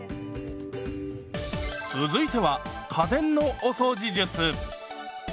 続いては家電のお掃除術。